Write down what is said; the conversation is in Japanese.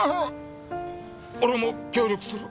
俺も協力する。